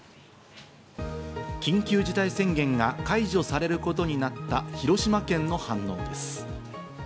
緊急事態宣言が解除されることになった広島県の反応です。